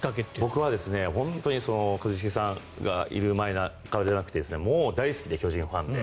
僕は本当に一茂さんがいるからじゃなくてもう大好きで、巨人ファンで。